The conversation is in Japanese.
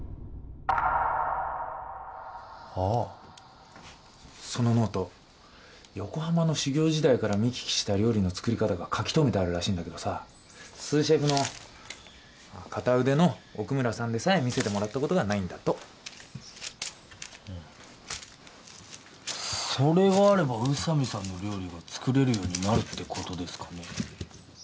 ああそのノート横浜の修業時代から見聞きした料理の作り方が書き留めてあるらしいんだけどさスーシェフの片腕の奥村さんでさえ見せてもらったことがないんだとそれがあれば宇佐美さんの料理が作れるようになるんですかね？